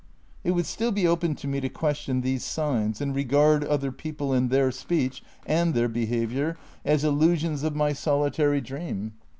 It would still be open to me to question these signs and regard other people and their speech and their behaviour as illusions of my solitary dream.